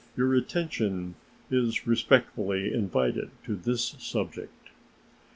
Your attention is respectfully invited to this subject.